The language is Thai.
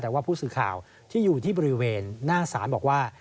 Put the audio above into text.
แต่ว่าผู้สื่อข่าวที่อยู่ที่บริเวณหน้าศาลบอกว่า